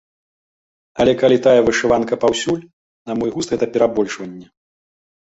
Але калі тая вышыванка паўсюль, на мой густ гэта перабольшванне.